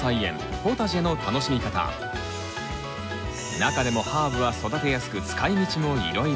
中でもハーブは育てやすく使いみちもいろいろ。